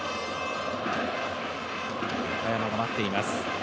中山が待っています、